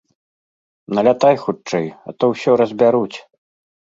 Налятай хутчэй, а тое ўсё разбяруць!